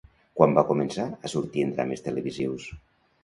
Quan va començar a sortir en drames televisius?